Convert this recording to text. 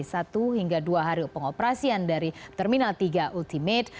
satu hingga dua hari pengoperasian dari terminal tiga ultimate